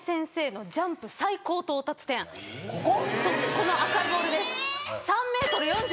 この赤いボールです。